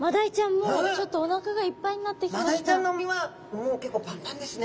もうちょっとマダイちゃんの胃はもう結構パンパンですね。